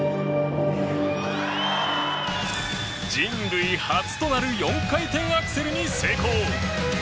人類初となる４回転アクセルに成功！